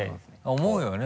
思うよね？